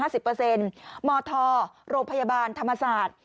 หมอทอโรพยาบาลธรรมศาสตร์